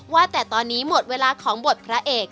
ว่าแต่ตอนนี้หมดเวลาของบทพระเอก